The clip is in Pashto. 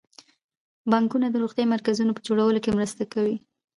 بانکونه د روغتیايي مرکزونو په جوړولو کې مرسته کوي.